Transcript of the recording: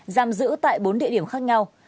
giam giữ tại bốn địa điểm khác nhau